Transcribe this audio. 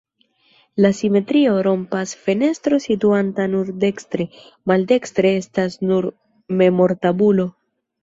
La simetrion rompas fenestro situanta nur dekstre, maldekstre estas nur memortabulo.